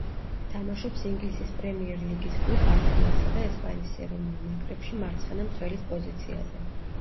თამაშობს ინგლისის პრემიერ ლიგის კლუბ „არსენალსა“ და ესპანეთის ეროვნულ ნაკრებში მარცხენა მცველის პოზიციაზე.